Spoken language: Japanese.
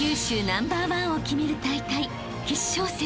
ナンバーワンを決める大会決勝戦］